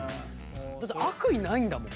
だって悪意ないんだもん。